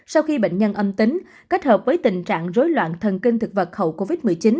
sau khi bệnh nhân âm tính kết hợp với tình trạng rối loạn thần kinh thực vật hậu covid một mươi chín